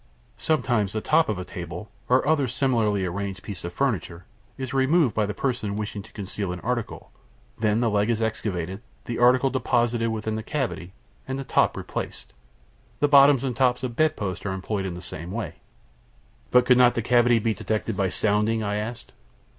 "Sometimes the top of a table, or other similarly arranged piece of furniture, is removed by the person wishing to conceal an article; then the leg is excavated, the article deposited within the cavity, and the top replaced. The bottoms and tops of bedposts are employed in the same way." "But could not the cavity be detected by sounding?" I asked.